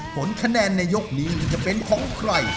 ผลคะแนนในยกนี้จะเป็นของใคร